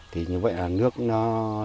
thì như vậy là nước nó